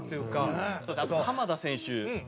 あと鎌田選手